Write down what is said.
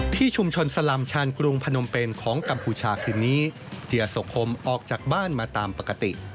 ที่ชุมชนสลำชาญกรุงพนมเป็นของกัมพูชาคืนนี้เจียโสพรมออกจากบ้านมาตามปกติ